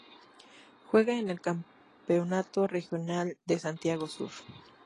Juega en el campeonato regional de Santiago Sur.